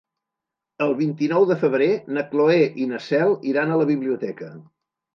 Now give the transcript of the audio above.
El vint-i-nou de febrer na Cloè i na Cel iran a la biblioteca.